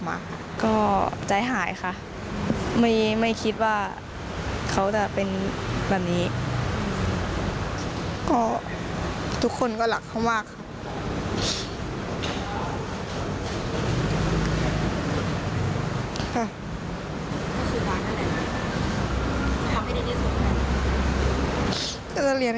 อย่าให้เขาสู้สู้ไปอีกนิดเดียว